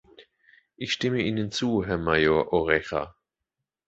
Ich stimme Ihnen zu, Herr Mayor Oreja.